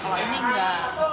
kalau ini nggak